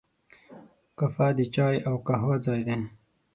کافه د چای او قهوې ځای دی.